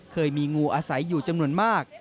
เคยมีงูอาศัยอยู่จำนวนมาก